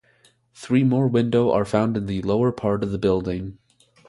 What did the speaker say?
Three more window are found in the lower part of the building.